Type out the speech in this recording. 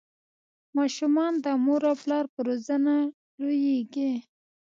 ماشومان د مور او پلار په روزنه لویږي.